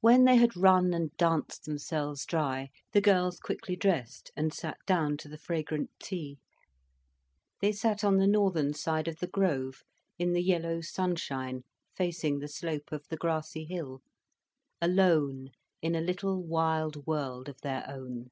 When they had run and danced themselves dry, the girls quickly dressed and sat down to the fragrant tea. They sat on the northern side of the grove, in the yellow sunshine facing the slope of the grassy hill, alone in a little wild world of their own.